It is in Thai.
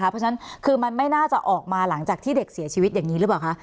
เพราะฉะนั้นคือมันไม่น่าจะออกมาหลังจากที่เด็กเสียชีวิตอย่างนี้หรือเปล่าคะ